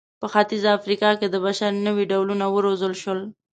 په ختیځه افریقا کې د بشر نوي ډولونه وروزل شول.